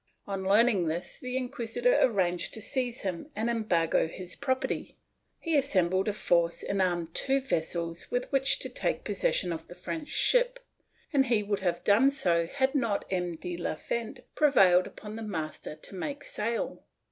On learning this, the inquisitor arranged to seize him and embargo his property; he assembled a force and armed two vessels with which to take possession of the French ship, and he would have done so had not M, de la Fent prevailed upon the master to make sail.